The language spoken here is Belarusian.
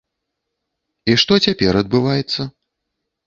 І што цяпер адбываецца?